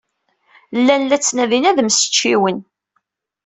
Llan la ttnadin ad mmecčiwen.